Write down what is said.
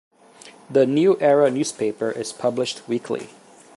"The New Era" newspaper is published weekly.